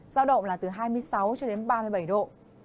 giao động là từ hai mươi sáu cho đến ba mươi bảy độ